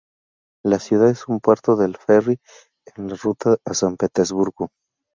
La ciudad es un puerto del ferry en la ruta a San Petersburgo.